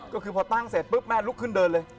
ก็คือพอตั้งเสร็จปุ๊บแม่ลุกขึ้นเดินเลย